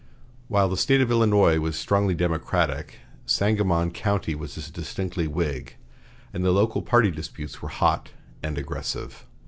While the State of Illinois was strongly Democratic, Sangamon County was as distinctly Whig, and the local party disputes were hot and aggressive.